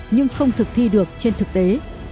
nhưng không thực thi được trên thực tế